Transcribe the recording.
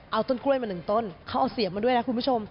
เอาต้นกล้วยมาหนึ่งต้นเขาเอาเสียบมาด้วยนะคุณผู้ชม